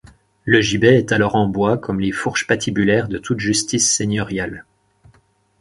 Le gibet est alors en bois comme les fourches patibulaires de toute justice seigneuriale.